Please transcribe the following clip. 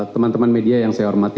teman teman media yang saya hormati